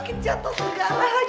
makasih ya sayang